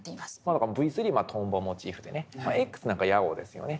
だからＶ３はトンボモチーフでねＸなんかはヤゴですよね。